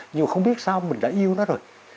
nhưng mà không biết sau mình đã yêu nó rồi